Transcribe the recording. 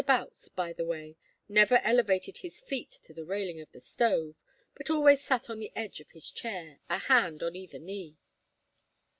Boutts, by the way, never elevated his feet to the railing of the stove, but always sat on the edge of his chair, a hand on either knee.)